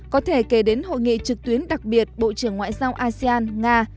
có thể kể đến hội nghị trực tuyến đặc biệt bộ trưởng ngoại giao asean nga